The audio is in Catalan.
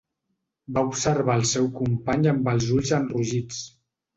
Va observar el seu company amb els ulls enrogits.